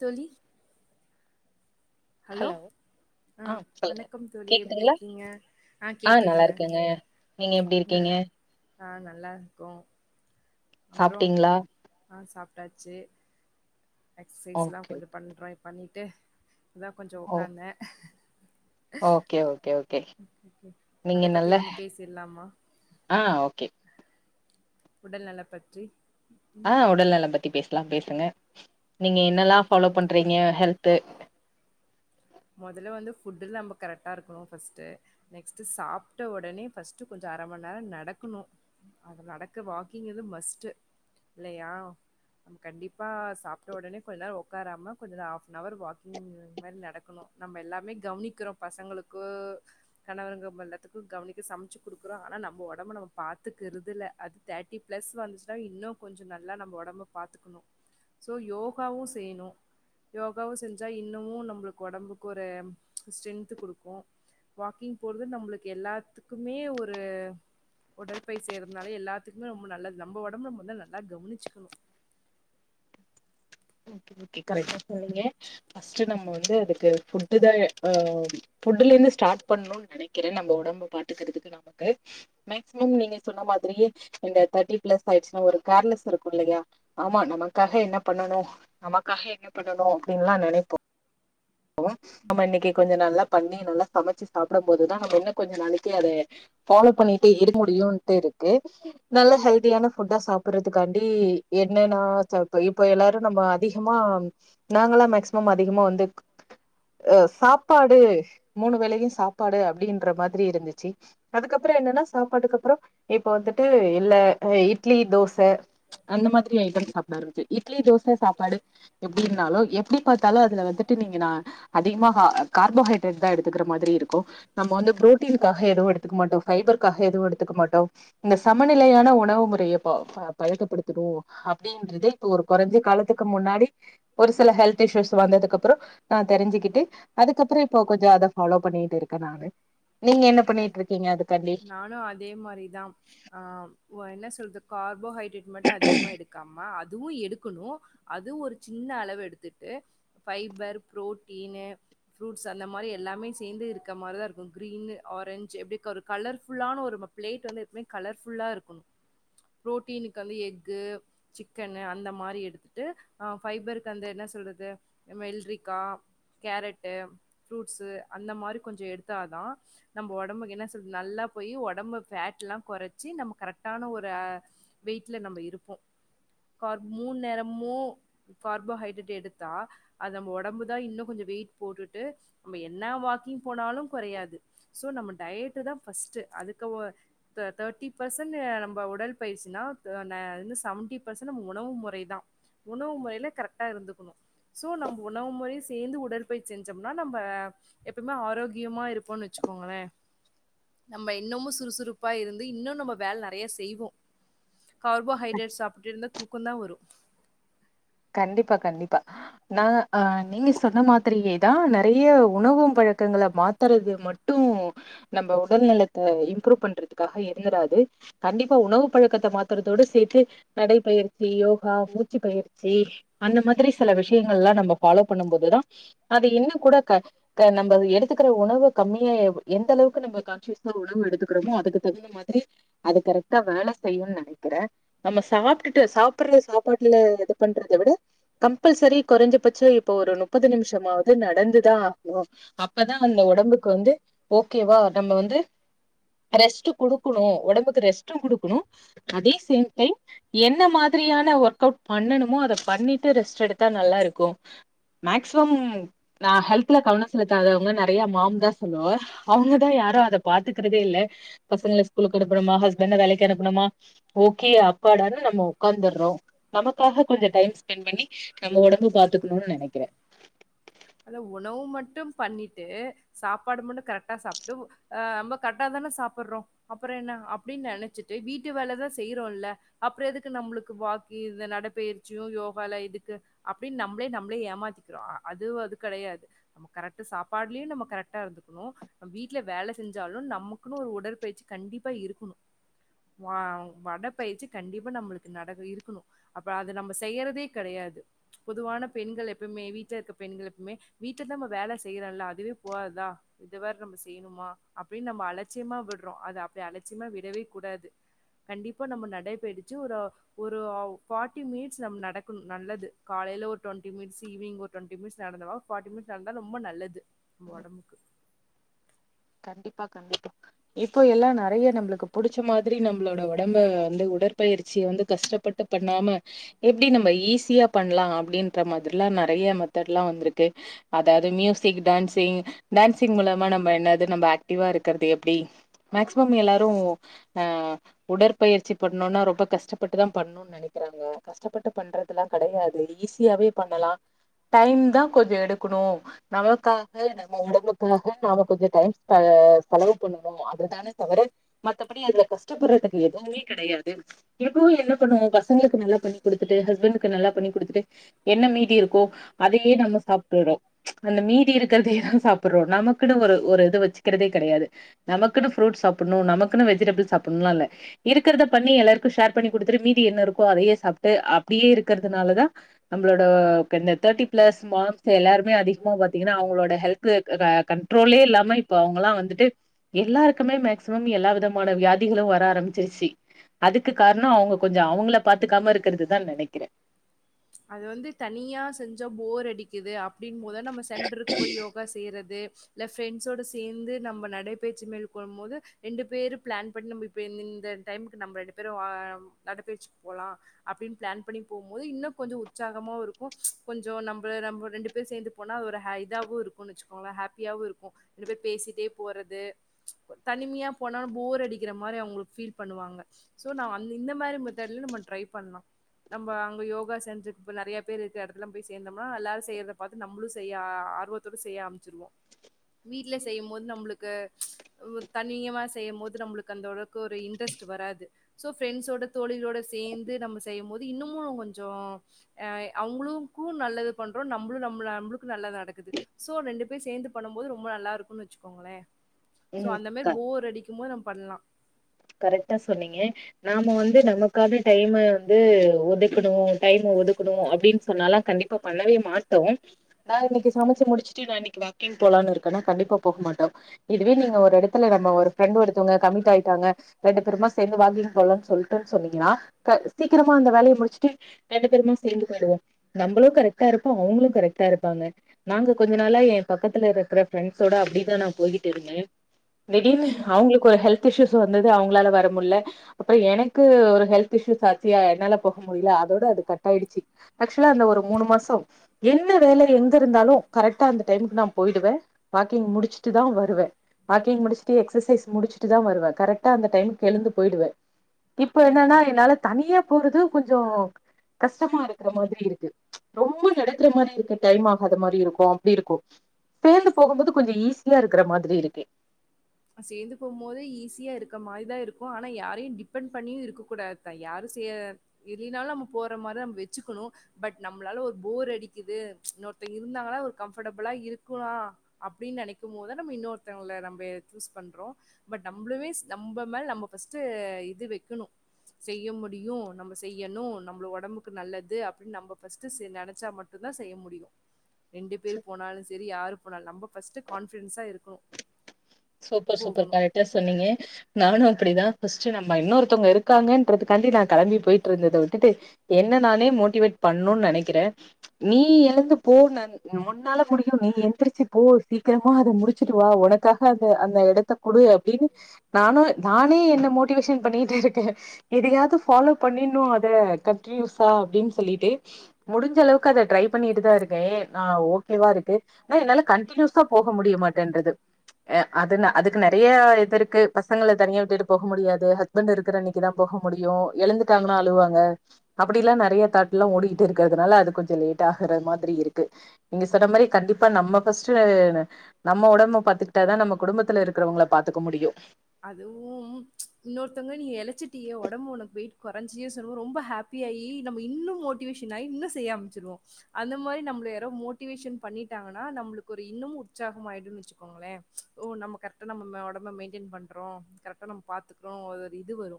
தோழி ஹலோ ஆ சொல்லுங்க வணக்கம் தோழி எப்டி கேக்குதுங்களா இருக்கீங்க ஆ நல்லா இருக்கங்க நீங்க எப்படி இங்க இருக்கீங்க ஆ நல்லா இருக்கோ அப்புறோ சாப்ட்டீங்களா ஆ சாப் ட்டாச்சி எக்சசைஸ்லா ஓகே கொஞ்ச பண்றே பண்ணிட்டு அதா கொஞ்சோ ஓ உக்காந்தே ஓகே ஓகே ஓகே நீங்க அத பத்தி நல்ல நம்ம பேசிர்லாமா ஆ ஓகே உடல்நல பற்றி ஆ உடல் நல பத்தி பேஸ் க்லா பேசுங்க நீங்க என்னல்லா ஃபாலோ பண்றீங்க ஹெல்த்து மொதல்ல வந்து ஃபுட் நம்ப கரெக்டா இருக்கணு ஃபஸ்ட்டு நெக்ஸ்டு சாப்ட ஒடனே ஃபஸ்ட்டு கொஞ்ச அர மணி நேர நடக்கணு அத நடக்க வாக்கிங் இது மஸ்ட்டு ல்லையா நம்ப கண்டிப்பா சாப்ட ஒடனே கொஞ்ச நேர ஒக்காராம கொஞ்ச ஆஃப் நவர் வாக்கிங் மாரி நட க்குனு நம்ப எல்லாமே கவுனிக்குறோ பசங்களுக்கு கணவரங்க ம எல்லாத்துக்கு கவனிக்க சமச்சுடுக்குடுக்றோ ஆனா நம்ம ஒடம்ப நம்ப பாத்துக்கிறுதுல அது தேர்டி பிளஸ் வந்துச்சனா இன்னு கொஞ்ச நல்லா நம் ஒடம்ப பாத்துக்கணு சோ யோகாவு செய்ணு யோகாவு செஞ்சா இன்னமு நம்புளு கொடம்புக்கு ஒரு ஸ்ட்ரென்த்து குடுக்கு வாக்கிங் போறது நம்புளுக்கு எல்லாத்துக்குமே ஒரு உடல்பை செய்றதனால எல்லாத்துக்குமே ரொம்ப நல்லது நம்ம ஒடம்ப நம்ப நல்லா கவுனிச்சுக்கணு ஓகே ஓகே கரக்டா சொன்னீங்க ஃப்ஸ்ட்டு நம்ப வந்து அதுக்கு ஃபுட் தா அ ஃபுட்டுலந்து ஸ்டார்ட் பண்ணு நெனைக்கிறே நம்ப உடம்ப பாத்துக்கறதுக்கு நமக்கு மேக்சிமம் நீங்க சொன்ன மாதிரியே இந்த தேர்ட்டி பிளஸ் ஆய்டுச்சுனா ஒரு கேர்லெஸ் இருக்கு இல்லையா ஆமா நமக்காக என்ன பண்ணனு நமக்காக என்ன பண்ணணு அப்டின்லா நெனைப்போ நம்ம இன்னக்கி கொஞ்ச நல்லா பண்ணி நல்லா சமச்சு சாப்ட போதுதா நம்ம என்ன கொஞ்ச நாளிக்கு அத ஃபாலோ பண்ணிட்டே இரு முடியும்ட்டு இருக்கு நல்ல ஹெல்தியான ஃபுட்டா சாப்புறதுக்காண்டி என்னன்னா இப்ப எல்லாரு நம்ப அதிகமா நாங்களா மேக்சிமம் அதிகமா வந்துக அ சாப்பாடு மூணு வேலையு சாப்பாடு அப்டின்ற மாதிரி இருந்துச்சு அதுக்கப்பற என்னன்னா சாப்பாட்டுக்கு அப்பற இப்ப வந்துட்டு இல்ல இட்லி தோஸ் த அந்த மாதிரி ஐட்டம் சாப்டா ஆரமிச்சு இட்லி தோச சாப்பாடு எப்டி இர்னாலு எப்டி பாத்தாலு அதுல வந்து ட்டு நீங்க நா அதிகமாக கார்போஹைட்ரேட் தா எடுத்துக்கற மாதிரி இருக்கு நம்ப வந்து புரோட்டீன்காக எதுவு எடுத்துக்க மாட்டோ ஃபைபர்காக எதுவு எடுத்துக்க மாட்டோ இந்த சமநிலையான உணவு முறைய பயக்கப்படுத் த்தனு அப்டின்றதே இப்போ ஒரு கொறஞ்ச காலத்துக்கு முன்னாடி ஒரு சில ஹெல்த் இ்ஷ்யூஸ் வந்ததுக்கப் றம் நா தெரிஞ்சுக்கிட்டு அதுக்கப்பற இப்ப கொஞ்ச அத ஃபாலோ பண்ணிட்டு இருக்க நானு நீங்க என்ன பண்ணிட்டு இருக்கீங்க அதுக்காண்டி நானும் அதே மாரி தான். ஆ வ என்ன சொல்து கார்போஹைட் ஹைட்ரேட் மட்டு அதிகமா எடுக்காம அ துவு எடுக்கணு அதுவு ஒரு சின்ன அளவு எடு த்துட்டு ஃபைபர் ப்ரோட்டீனு புரூட்ஸ் அந்த மாரி எல்லாமே சேந்து இருக்க மாரு தா இருக்கு க்ரீனு ஆரஞ்சு எப்டி கொரு கலர்ஃபுல்லான ஒரு ப்லேட் வந்து எப்புமே கலர்ஃபுல்லா இருக்குனு ப்ரோட்டினுக்கு வந்து யெக்கு சிக்கனு அந்த மாரி எடுத்துட்டு ஹா ஃப்பக்கு வந்து என்ன ல்தது அ மெல்றிக்கா கேரட்டு ஃப்ரூட்ஸ்சு அந்த மாரி கொஞ்ச எடுத்தா தாநம்ம உடம்ப என்ன கேள்வி நம்ப ஒடம்புக்கு என்ன நல்லா போயி ஒடம்பு பேட்ல்லா கொறச்சு நம்ம கரெக்டான ஒரு வெய்ட்ல நம்ம இருக்கோ கார் மூணு நேரமு கார்போஹைட்ரேட் எடு தா அது நம்ப ஒடம்பு தா இன்னு கொஞ்ச வெயிட் போட்டுட்டு நம்ப என்ன வாக்கிங் போனாலு கொறயாது சோ நம்ம டயட்தா ஃப்ஸ்ட் அதுக்கு ஒ தே தேர்டிர் பர்சன் நம்ப உடல் பயிர்சினா த ன செவன்டி பர்சன் நம்ம உணவு முறைதா உணவு முறையில கரெக்டா இருந்துகுனு சோ நம்ப உணவு முறை சேந்து உடற்பய்ச்சி செஞ்சோம்னா நம்ப எப்புமே ஆரோக்கியமா இருப்போன்னு வச்சிக்கோங்களே நம்ப இன்னமு சுறுசுறுப்பா இருந்து இன்னு நம்ப வேல நெறயா செய்வோ கார்போஹைட்ரேட் சாப்புட்டுருந்த தூக்கதா வரு கண்டிப்பா கண்டிப்பா நா அ நீங்க சொன்ன மாதிரியேதா நெறைய உணவு பழக்கங்கள மாத்தறது மட்டு நம்ப உடல் நலத்த இம்ப்ரூவ் பண்றதுக்காக இருந்துறாது கண்டிப்பா உணவு பழக்கத்த மாத்தறதோடு சேத்து நடைப்பயிற்சி யோகா மூச்சி பயிற் ச்சி அந்த மாதிரி சில விஷ்யங்கல்லா நம்ப ஃபாலோ பண்ணு போதுதா அது இன்னு கூட க நம்ம எடுத்துக்கற உணவு கம்மியா எந்த அளவுக்கு நம்ப கான்சியஸா உணவு எடுத்துக்குறோமோ அதுக்கு தகுந்த மாதிரி அது கரெக்டா வேல செய்யு நெனக்கிறே நம்ப சாப்புடுட்டு சாப்பற சாப்பாட்ல பண்றத விட கம்பல்சரி கொறஞ்ச பட்சம் இப்ப ஒரு முப்பது நிமிஷமாவது நடந்துதா ஆகணு அப்பதா அந்த உடம்புக்கு வந்து ஓகேவா நம்ம வந்து ட்ரெஸ்ட் குடுக்குன்னு ஒடம்புக்கு ரெஸ்ட் குடுக்கணுஅதே சேம் டைம் என்ன மாதிரியான ஒர்க்கவுட் பண்ணு மோ அத பண்ணிட்டு ரெஸ்ட் எடுத்தா நல்லா இருக்கு மேக்சிமம் நா ஹெல்த்ல கவனோ செலுத்தாதவங்க நம் மாம் தா சொல்லுவ அவுங்கதா யார அத பாத்துக்கிறதே இல்ல பசங்கள ஸ்கூலுக்கு அடுப்பானுமா ஹ்பண்ட வேலைக்கு அனுப்புனுமா ஓகே அப்பாட நம்ம ஒகாந்துறோ நமக்காக கொஞ்ச டைம் ஸ்பெண்ட் பண்ணி நம்ம ஒடம்ப பாத்துக்கணு நெனைக்கிறே அத உணவு மட்டு பண்ணிட்டு சாப்பாடு மட்டு கரெக்டா சாப்டு ஆ நம்ப கரெட்டாதான சாப்புறோ அப்புறோ என்ன அப்பிடின் நெனச்சிட்டு வீட்டு வேலதா செய்றோல்ல அப்புறோ எதுக்கு நம்மளுக்கு வாக்கு இந்த நடப்பயிற்சியு யோகால எதுக்கு அப்பிடின் நம்பளே நம்பளே ஏமாத்திக்குறோ அது அதுக் கெடையாது நம் கரெக்ட்டு சாப்லியு நம்ம கரெக்டா இருந்துக்குனு வீட்ல வேல செஞ்சாலு நம்மக்குன்னு ஒரு உடற்பயிற்சி கண்டிப்பா இருக்கணு வா வட பயிற்சி கண்டிப்பா நம்ளுக்கு நட இருக்கணு அப்புறோ அத நம்ப செய்யறதே கெடையாது பொதுவான பெண்கள் எப்புமே வீட்ல இருக்க பெண்கள் மே வீட்ல தா நம் வேல செய்றல அதுவே போவாதா இத வேற நம்ப செய்ணுமா அப்பிடின் நம்ம அலட்சியமா விடறோ அது அப்பிடி அலட்சியமா விடவே கூடாது கண்டிப்பா நம்ப நடைபயிடிச்சி ஒரு ஒரு ஃபார்டி மினிட்ஸ் நம் நடக்குன் நல்லது காலையில ஒரு டுவெண்டி மினிட்ஸ் ஈவினிங் ஒரு டுவெண்டி மினிட்ஸ் நடந்தவ ஃபார்ட்டி மினிட்ஸ் நடந்தா ரொம்ப நல்லது நம்ப ஒடம்புக்கு கண்டிப்பா கண்டிப்பா இப்போ எல்லா நெறைய நம்புளுக்கு புடிச்ச மாதிரி நம்பளோட ஒடம்ப வந்து உடற்பயிற்சிய வந்து கஷ்டப்பட்டு பண்ணாம எப்பிடி நம்ப ஈஸியா பண்ணலா அப்பிடின்ற மாதிரில்லா நெறய மெத்தட்லா வந்துருக்கு அதாது மியூசிக் டான்சிங் டான்சிங் மூலமா நம்ம என்ன து நம் ஆக்டிவா இருக்கறது எப்பிடி மேக்சிமம் எல்லாரு அ உடற்பயிற்சி பண்ணுனா ரொம்ப கஷ்டப்பட்டுதா பண்ணு நெனக்கிறாங்க கஷ்டப்பட்டு பண்றதலா கெடையாது ஈஸியாவே பண்ணலா டைம் தா கொஞ்ச எடுக்குனு நமக்காக நம்ப உடம்புக்காக நாம கொஞ்ச டைம் ட செலவு பண்ணனு அதுதான தவற மத்தபடி அதுல கஷ்டப்பறதுக்கு எதுவுமே கெடையாது எப்பவு என்ன பண்ணுவோ பசங்களுக்கு நல்லா பண்ணி குடுத்துட்டு ஹஸ்பண்டக்கு நல்லா பண்ணி குடுத்துட்டு என்ன மீதி இருக்கோ அதையே நம்ம சாப்டுறோ அந்த மீதி இருக்குறதயேதா சாப்புறோ நமக்குன்னு ஒரு ஒரு இது வச் ச்சுகறதே கெடையாது நமக்குனு ப்ரூட்ஸ் சாப்புனு நமக்குனு வெஜிடபுலஸ் சப்புணுலா இல்ல இருக்கறதா பண்ணி எல்லாருக்கு சேர் பண்ணி குடுத்துட்டு மீதி என்ன இருக்கோ அதயே சாப்ட்டு அப்பிடியே இருக்கறதுனால தா நம்பளோட இப்ப தேர்ட்டி ப்ளஸ் மாம்ஸ் எல்லாரு மே அதிகமா பாத்தீங்கன்னா அவங்களோட ஹெல்து ர கண்ட்ரோலே இல் இப்ப அவுங்களா வந்துட்டு எல்லாருக்குமே மேக்ஸ் சிமம் எல்லா விதம் மான வியாதிகளு வர ஆரம்பிச்சிருச்சி அதுக்கு காரணோ அவுங்க கொஞ்சோ அவுங்கள பாத்துக்காம இருக்கிறதுதா நெனைக்கிறே டிக்குது அப் டின் மோத நம்ம சென்டருக்கு போய் யோகா செய்றது இல்ல பிரெண்ட்ஸோட சேந்து நம்ம நடைப்பயிற்சி மேற்கொள்ளும் போது ரெண்டு பேரு பிளான் பண்ணி நம்ம இ இந்த டைம்க்கு நம்மரெண்டு பேரு நடைப்பயிற்சி போலா அப்பிடின் பிளான் பண்ணி போம்போது இன்னு கொஞ்சோ உற்சாகமா இருக்கு கொஞ்சோ நம்ப ரெண்டு பேர் சேர்ந்து போனா ஒரு ஹ இதாவு இருக்குனு வச்சிக்கோங்களே ஹாப்பியாவு இருக்கு ரெண்டு பேரு பேசிட்டே போறது தனிமையா போனா போர் அடிக்கிற மாரி அவுங்களுக்கு ஃபீல் பண்ணுவாங்க ஷோ அந்த இந்த மாரி மெத்தேடுல டிரை பண்ணலா நம்ம அங்க யோகா சென்சூ இப்ப நெறைய பேர் இருக்கு எடத்துலா போய் சேர்ந்தம்னா எல்லாரு செய்யறத பாத்து நம்மளு செய்ய ஆர்வத்தோடு செய்ய ஆரம்மிச்சிருவோ வீட்ல செய்யு போது நம்மளுக்கு தனிய செய்யு போது நம்மளுக்கு அந்தளவுக்கு ஒரு இன்டெரஸ்ட் வராது ஷோ ப்ரெண்ட்ஸோட தோழிகளோட சேர்ந்து நம்ம செய்யு போது இன்னமு கொஞ்சோ அ அவுங்களுக்கு நல்லது பண்றோ நம்ளு நம் நம்ளுக்கு நல்லது நடக்குது ஷோ ரெண்டு பேர் சேந்து பண்ணு போது ரொம்ப நல்லா இருக்கும்ன்னு வச்சுக்கோங்களே ஷோ ம் அந்த மே ஃபோர் அடிக் ம்மோ நம் பண்ணலா கரெக்ட்டா சொன்னீங்க நாம வந்து நமக்கான டைம் வந்து ஒதுக்கனு டைம் ஒதுக்கனு அப்பிடின் சொன்னாலா கண்டிப்பா பண்ணவே மாட்டோ நா இன்னிக்கு சமைச்சி முடிச்சிட்டு நா இன்னிக்கு வாக்கிங் போலானு இருக்கேன்னா கண்டிப்பா போகமாட்டோ இதுவே நீங்க ஒரு எடத்துல நம்ம ஒரு ஃப்ரெண்ட ஒருத்தவங்க கமிட் ஆயிட்டாங்க ரெண்டு பேருமா சேந்து வாங்கிங் போலான் சொல்ட்டுன் சொன்னீங்கன்னா க சீக்கிரமா அந்த வேலைய முடிச்சிட்டு ரெண்டு பேருமா சேந்து போயிடுவோ நம்மளு கரெக்டா இருப்போ அவுங்களு கரெக்டா இருப்பாங்க நாங்க கொஞ்ச நாளா ஏ பக்கத்துல இருக்கிற ஃபிரெண்ட்ஸோட அப்பிடிதா நா போய்கிட்டு இருந்தே திடீர்னு ம் அவுங்களுக்கு ஒரு ஹெல் த் ஷுஷ் வந் ந்தது அவுங்களால வரமுல அப்புறோ எனக்கு ஒரு ஹல்த் இஷூ ஆச்சி என்னால போக முடியல அதோட அது கட் ஆச்சி ஆக்ஸுலா அந்த மூனு மாசோ என்ன வேலை எங்க இருந்தாலு கரெக்டா அந்த டைமுக்கு நா போயிடுவே வாக்கிங் முடிச்சிட்டுதா வருவே வாக்கிங் முடிச்சுட்டு எக்சசைஸ் முடிச்சிட்டுதா வருவே கரெக் ட்டா அந்த டைமுக்கு எழுந்து போயிடுவே இப்ப ம் என்னென்னா ம் என்னால தனியா போறது கொஞ்சோ கஷ்டமா இருக் க்குற மாதிரி இருக்கு ரொம்ப நடக்குற மாரி இருக்கு டைம் ஆகாத மாரி இருக்கு அப்டி இருக்கு சேந்து போகும்போது கொஞ்ச ஈஸியா இருக்குற மாதிரி இருக்கு சேந்து போம்போது ஈஸியா இருக்க மாரிதா இருக்கு ஆனா யாரையு டிபெண்ட் பண்ணியு இருக்க கூடாதுதா யாரும் சே இல்லைனாலு நம்ம போற மாரி நம்ம வச்சுக்கனு பட் நம்ளால ஒரு போர் அடிக்குது இன்னொருத்தங்க இருந்தாங்கனா ஒரு கம்ஃபடபிளா இருக்குனா அப்டின் நெனைக்கும் போதுதா நம்ம இன்னொருத்தங்கள நம்ப சூஸ் பண்றோ பட் நம்பளவேஸ் நம்ப மேல நம்ப ஃபஸ்ட்டு இது வக்கனு செய்ய முடியு நம்ம செய்யனு நம்ள‌ ஒடம்புக்கு நல்லது அப்டின் நம்ப ஃபஸ்ட்டு ச நெனச்சா மட்டு தா செய்ய முடியு ரெண்டு சோ பேர் போனாலு செரி யார் போனாலு நம்ப ஃபஸ்ட்டு கான்ஃபிடன்ஸா இருக்கனு சூப்பர் சூப்பர் கரெக்டா சொன்னீங்க நானு அப்புடிதா ஃபஸ்ட்டு நம்ம இன்னொருத்தவ்ங்க இருக்காங்கன்றதுக்கான்டி நா கெளம்பி போயிட்ருந்தத விட்டுட்டு என்ன நானே மோட்டிவேட் பண்ணுன் நெனைக்கிறே நீ எழுந்து போ நன் உன்னால முடியு நீ எந்திரிச்சு போ சீக்கிரமா அத முடிச்சிட்டு வா ஒனக்கா க அந்த அந்த எடத்த குடு அப்டின் நானு நானே என்ன மோட்டிவேஷன் பண்ணிட்டுருக்கே எதயாது ஃபாலோ பண்ணின்னு அத கன்டினியூஸா அப்டின் சொல்லிட்டு முடிஞ்ச அளவுக்கு அத ட்ரை பண்ணிட்டு தா இருக்கே நா ஓகேவா இருக்கு ஆனா என்னால கன்டினியூஸா போக முடிய மாட்டேன்றது எ அதுன அதுக்கு நெறைய இது இருக்கு பசங்கள தனியா விட்டுட்டு போக முடியாது ஹஸ்பண்ட் இருக்குற அன்னைக்குதா போக முடியு எழுந்துட்டாங்கனா அழுவாங்க அப்டில்லா நறைய தாட்லா ஓடிகிட்டு இருக்கறதுனால அது கொஞ்சொ லேட் ஆகுற மாதிரி இருக்கு நீங்க சொன்ன மாரி கண்டிப்பா நம்ம ஃபஸ்ட்டு நம்ம ஒடம்ப பாத்து கிட்டாதா நம்ம குடும்பத்துல இருக்கிறவுங்கள பாத்துக்க முடியு அதுவும் இன்னொருத்தங்க நீ எளச்சிட்டியே ஒடம்பு ஒனக்கு வெயிட் கொறஞ்சியே சொல்லும்போ ரொம்ப ஹாப்பியாயி நம்ம இன்னு மோட்டிவேஷன் ஆயி இன்னு செய்ய ஆரம்மிச்சுருவோ அந்த மாரி நம்ள யாரோ மோட்டிவேஷன் பண்ணிட்டாங்கனா நம்ளுக்கு ஒரு இன்னும் உற்சாகமாயிடுன் வச்சுக்கோங்ளே ஓ நம்ம கரெக்டா நம்ம ஒடம்ப மெயின்டன் பண் றோ கரெக்டா நம் பாத்துக்குறோ ஒரு இது வரு‌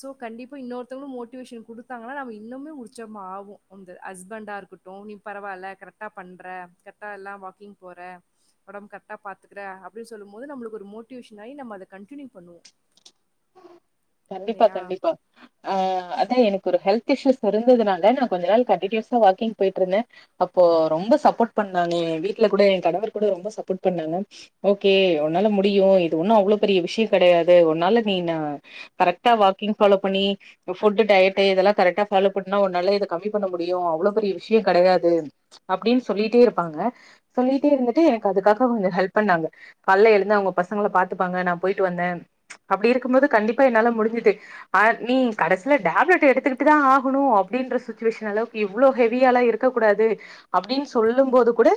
சோ கண்டிப்பா இன்னொருத்தங்களு மோட்டிவேஷன் குடுத்தாங்கனா நம்ம இன்னுமே உற்சாகமா ஆவோ அந்த ஹஸ்பண்டா இருக்கட்டு நீ பரவால்ல கரெக்டா பண்ற கரெக்டா எல்லா வாக்கிங் போற ஒடம்பு கரெக்டா பாத்துக்குற அப்டின் சொல்லும்மோது நம்ளுக் ஒரு மோட்டிவேஷன் ஆயி நம்ம அத கண்டின்யூ பண்ணுவோ கண்டிப்பா இல்லையா கண்டிப்பா ஆ அ தா எனக்கு ஒரு ஹெல்த் இஷ்யூஸ் இருந்ததுனால நா கொஞ்ச நாள் கண்டினியூஸா வாக்கிங் போயிட்ருந்தே அப்போ ரொம்ப சப்போர்ட் பண்ணாங்க ஏ வீட்ல கூட எ கணவர் கூட ரொம்ப சப்போர்ட் பண்ணாங்க ஓகே ஒன்னால முடியு இது ஒன்னு அவ்ளோ பெரிய விஷய கடையாது ஒன்னால நீ ன கரெக்டா வாக்கிங் ஃபாலோ பண்ணி ஃபுட்டு டயட்டு இதெல்லா கரெக்டா ஃபாலோ பண்ணா ஒன்னால இத கம்மி பண்ண முடியு அவ்ளோ பெரிய விஷ்யொ கெடயாது அப்டின் சொல்லிட்டே இருப்பாங்க சொல்லிட்டே இருந்துட்டு எனக்கு அதுக்காக அவுங்க ஹெல்ப் பண்ணாங்க கால்ல எழுந்து அவுங்க பசங்கள பாத்துப்பாங்க நா போயிட்டு வந்தே அப்டி இருக்கும்போது கண்டிப் பா என்னால முடுஞ்சது ஆ நீ கடைசில டேப்லெட்டு எடுத்துக்கிட்டு தா ஆகனு அப்டின்ற சுச்சுவேஷன் அளவுக்கு இவ்ளோ ஹெவியாலா இருக்க கூடாது அப்டின் சொல்லும் போது கூட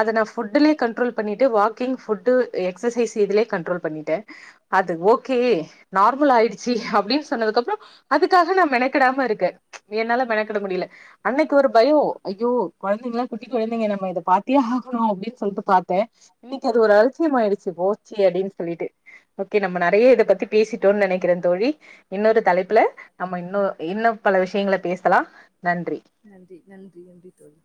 அத நா ஃபுட்டுலே கண்ட்ரோல் பண்ணிட்டு வாக்கிங் ஃபுட்டு எக்ஸசைஸ் இதுலே கண்ட்ரோல் பண்ணிட்டே அது ஓகே நார்மல் ஆயிடுச்சு அப்டின சொன்னதுக்கப்றோ அதுக்காக நா மெனக்கெடாம இருக்கே என்னால மெனக்கெட முடில அன்னைக்கு ஒரு பயோ ஐயோ கொழந்தைங்களா குட்டி கொழந்தைங்க நம்ம இத பாத்தே ஆகனு அப்டின் சொல்ட்டு பாத்தே இன்னைக்கு அது ஒரு அலட்சியமாயிடுச்சு போச்சு அப்டின் சொல்லிட்டு ஓகே நம்ம நறைய இத பத்தி தோழி இன்னொரு தலைப்புல நம்ம இன்னு இன்னு பல விஷயங்கள பேசலா நன்றி நன்றி நன்றி நன்றி தோழி